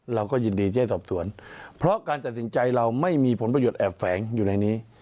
เราก็ยินดีที่จะสอบสวนเพราะการตัดสินใจเราไม่มีผลประโยชนแอบแฝงอยู่ในนี้